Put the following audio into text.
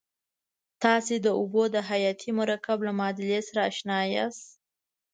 تاسې د اوبو د حیاتي مرکب له معادلې سره آشنا یاست.